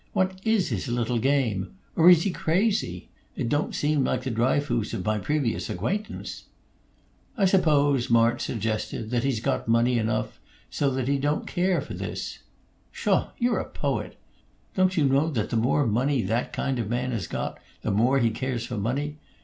"What is his little game? Or is he crazy? It don't seem like the Dryfoos of my previous acquaintance." "I suppose," March suggested, "that he's got money enough, so that he don't care for this " "Pshaw! You're a poet! Don't you know that the more money that kind of man has got, the more he cares for money?